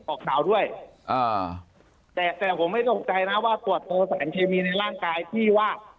ออกข่าวด้วยอ่าแต่แต่ผมไม่ตกใจนะว่าตรวจตัวสารเคมีในร่างกายพี่ว่า